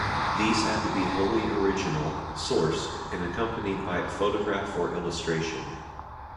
These had to be wholly original, sourced, and accompanied by a photograph or illustration.